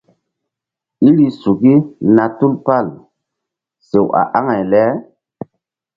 Iri suki na tupal sew a aŋay le.